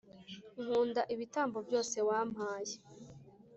nkunda ibitambo byose wampaye